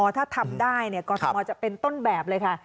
ถ้าทำได้กรทมจะเป็นต้นแบบเลยค่ะ